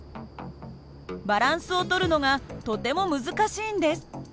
バランスを取るのがとても難しいんです。